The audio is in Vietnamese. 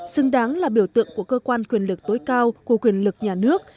xứng đáng là biểu tượng của cơ quan quyền lực tối cao của quyền lực nhà nước